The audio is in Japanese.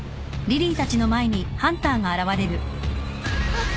あっ！